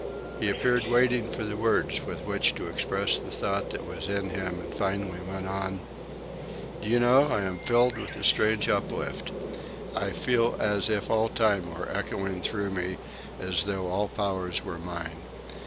He appeared waiting for the words with which to express the thought that was in him, and finally went on. "Do you know, I am filled with a strange uplift; I feel as if all time were echoing through me, as though all powers were mine.